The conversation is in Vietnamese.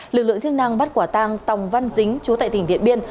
lực lượng chức năng bắt quả tang tòng văn dính chú tại tỉnh điện biên